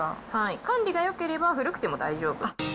管理がよければ、古くても大丈夫。